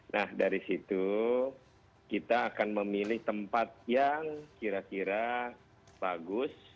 nah dari situ kita akan memilih tempat yang kira kira bagus